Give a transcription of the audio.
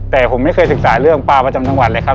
แต่ผมไม่เคยศึกษาเรื่องปลาประจำจังหวัดเลยครับ